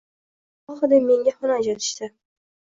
Alohida menga xona ajratishdi.